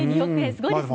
すごいですね。